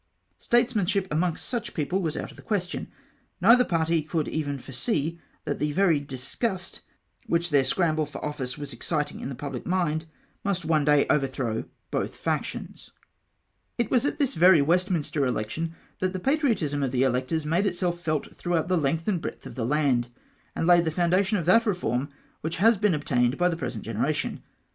Statesmanship amongst such people Avas out of the question. Neither party could even foresee that the very disgust which their scramble for office was exciting in the pubhc mind, nnist one day overthrow both factions. OPENING OF THE HOUSE. 221 It was at tins very Westminster election that the patriotism of the electors made itself felt thronghout the length and breadth of the land, and laid the foundation of that reform which has been obtained by the present generation.